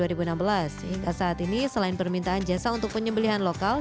hingga saat ini selain permintaan jasa untuk penyembelian lokal